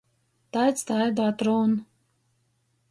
Taids taidu atrūn.